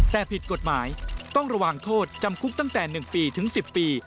แต่ผิดกฎหมายต้องระวังโทษจำคุกตั้งแต่๑ปีถึง๑๐ปี